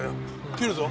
切るぞ。